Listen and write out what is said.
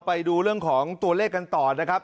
ไปดูเรื่องของตัวเลขกันต่อนะครับ